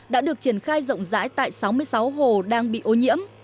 đã được triển khai rộng rãi tại sáu mươi sáu hồ đang bị ô nhiễm